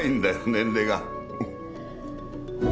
年齢が。